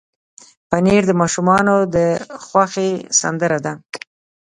پنېر د ماشومانو د خوښې سندره ده.